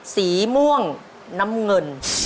สีม่วงน้ำเงิน